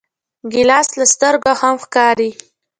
ګیلاس له سترګو هم ښکاري.